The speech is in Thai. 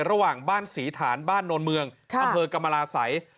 ระหว่างบ้านศรีฐานบ้านโนนเมืองอำเภอกรรมราศัย